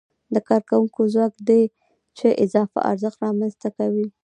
د کارکوونکو ځواک دی چې اضافي ارزښت رامنځته کوي